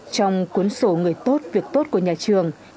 trong cuốn sổ người tốt việc tốt của nhà trường